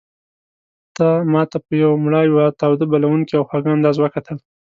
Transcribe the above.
تا ماته په یو مړاوي تاوده بلوونکي او خوږ انداز وکتل.